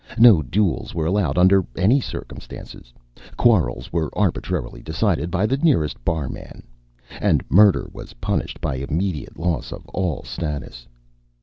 No duels were allowed under any circumstances. Quarrels were arbitrarily decided by the nearest barman, and murder was punished by immediate loss of all status.